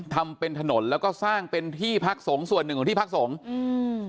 ทำเป็นถนนแล้วก็สร้างเป็นที่พักสงฆ์ส่วนหนึ่งของที่พักสงฆ์อืม